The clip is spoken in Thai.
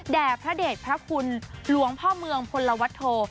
พระเด็จพระคุณหลวงพ่อเมืองพลวัตโธ